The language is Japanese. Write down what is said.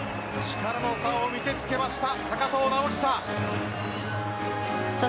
力の差を見せつけました高藤直寿。